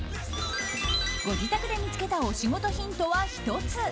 ご自宅で見つけたお仕事ヒントは１つ。